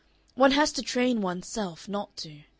One has to train one's self not to.